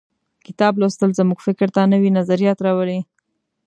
کتاب لوستل زموږ فکر ته نوي نظریات راولي.